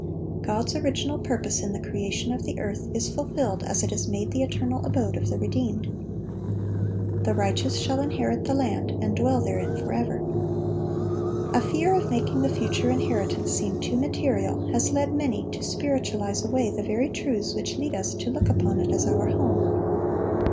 (1177) God's original purpose in the creation of the earth is fulfilled as it is made the eternal abode of the redeemed. "The righteous shall inherit the land, and dwell therein forever."(1178) A fear of making the future inheritance seem too material has led many to spiritualize away the very truths which lead us to look upon it as our home.